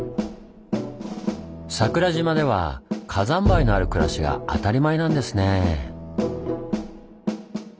桜島では火山灰のある暮らしが当たり前なんですね。